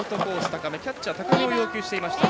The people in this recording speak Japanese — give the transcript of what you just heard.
高めキャッチャーは高めを要求していました。